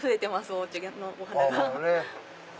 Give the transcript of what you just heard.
おうちのお花が。